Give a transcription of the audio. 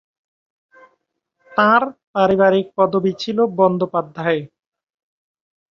তাঁর পারিবারিক পদবি ছিল বন্দ্যোপাধ্যায়।